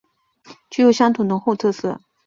具有乡土浓厚特色